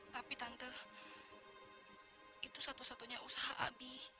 tapi tante itu satu satunya usaha abi